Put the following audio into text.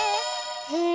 へえ